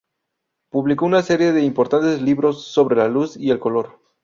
Publicó una serie de importantes libros sobre la luz y el color.